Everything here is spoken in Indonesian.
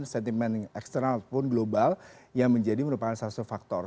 sentimen eksternal ataupun global yang menjadi merupakan salah satu faktor